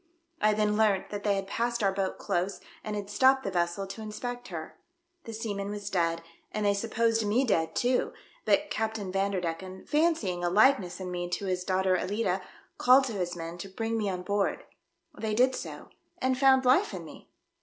I then learnt that they had passed our boat close, and had stopped the vessel to inspect her. The sea man was dead, and they supposed me dead too, but Captain Vanderdecken, fancying a likeness in me to his daughter Alicia, called to his men to bring me on board. They did so and found life in me."